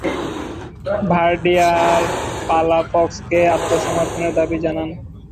Vernier পালাফক্সকে আত্মসমর্পণের দাবি জানান।